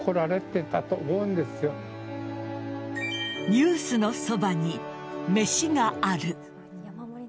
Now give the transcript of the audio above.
「ニュースのそばに、めしがある。」